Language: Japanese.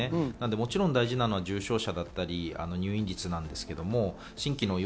もちろん大事なのは重症者だったり入院率なんですけど、新規の陽